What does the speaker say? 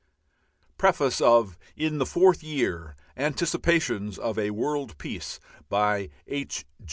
LITTLE WARS IN THE FOURTH YEAR ANTICIPATIONS OF A WORLD PEACE BY H.